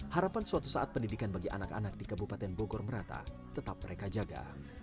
harapan suatu saat pendidikan bagi anak anak di kabupaten bogor merata tetap mereka jaga